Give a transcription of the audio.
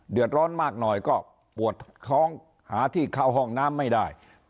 เดือดร้อนมากหน่อยก็ปวดท้องหาที่เข้าห้องน้ำไม่ได้